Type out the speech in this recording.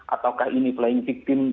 ataukah ini playing victim